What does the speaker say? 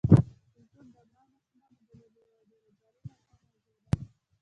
کلتور د افغان ماشومانو د لوبو یوه ډېره جالبه او ښه موضوع ده.